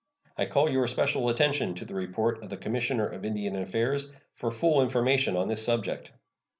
I call your special attention to the report of the Commissioner of Indian Affairs for full information on this subject.